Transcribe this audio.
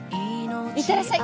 行ってらっしゃい！